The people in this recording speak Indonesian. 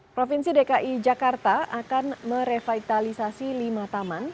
provinsi dki jakarta akan merevitalisasi lima taman